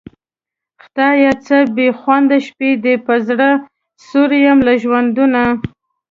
خدایه څه بېخونده شپې دي په زړه سوړ یم له ژوندونه